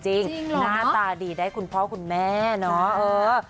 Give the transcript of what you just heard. หน้าตาดีได้คุณพ่อคุณแม่เนาะ